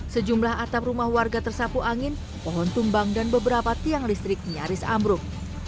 sejumlah atap rumah warga tersapu angin pohon tumbang dan beberapa tiang listrik nyaris ambruk